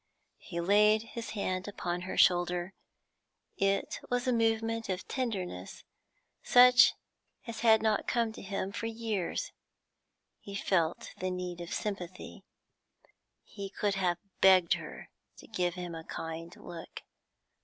He laid his hand upon her shoulder. It was a movement of tenderness such as had not come to him for years; he felt the need of sympathy; he could have begged her to give him a kind look.